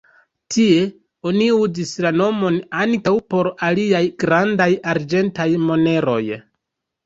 Tie oni uzis la nomon ankaŭ por aliaj grandaj arĝentaj moneroj.